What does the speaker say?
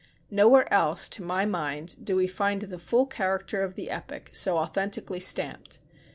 Nowhere else, to my mind, do we find the full character of the epoch so authentically stamped.